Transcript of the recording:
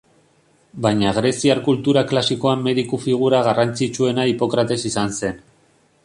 Baina greziar kultura klasikoan mediku figura garrantzitsuena Hipokrates izan zen.